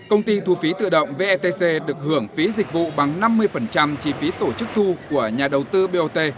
công ty thu phí tự động vetc được hưởng phí dịch vụ bằng năm mươi chi phí tổ chức thu của nhà đầu tư bot